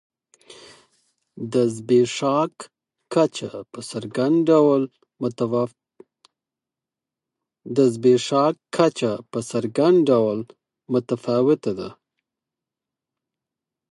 د زبېښاک کچه په څرګند ډول متفاوته ده.